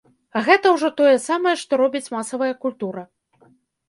А гэта ўжо тое самае, што робіць масавая культура.